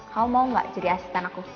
kamu mau gak jadi asisten aku